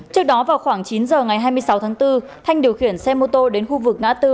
trước đó vào khoảng chín giờ ngày hai mươi sáu tháng bốn thanh điều khiển xe mô tô đến khu vực ngã tư